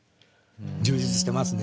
充実してますね。